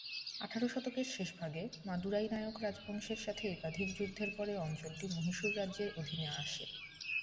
আঠারো শতকের শেষভাগে, মাদুরাই নায়ক রাজবংশের সাথে একাধিক যুদ্ধের পরে অঞ্চলটি মহীশূর রাজ্যের অধীনে আসে।